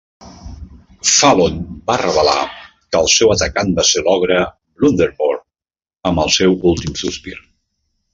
Fallon va revelar que el seu atacant va ser l'ogre Blunderbore amb el seu últim sospir.